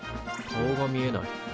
顔が見えない。